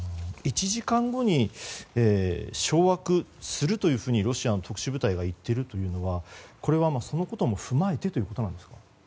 １時間後に掌握するというふうにロシアの特殊部隊が言っているというのはこれは、そのことも踏まえてということですか？